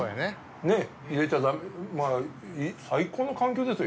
最高の環境ですよ